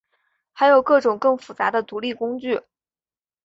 还有各种更复杂的独立工具。